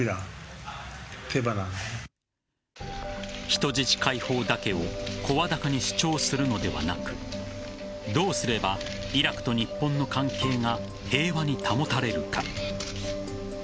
人質解放だけを声高に主張するのではなくどうすればイラクと日本の関係が平和に保たれるか。